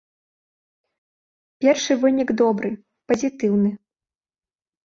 Першы вынік добры, пазітыўны.